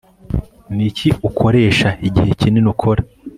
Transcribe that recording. niki ukoresha igihe kinini ukora